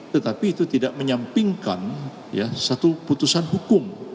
tetapi itu tidak menyampingkan satu putusan hukum